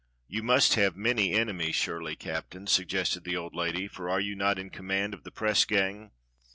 "You must have many enemies surely, Captain," suggested the old lady, "for are you not in command of the press gang.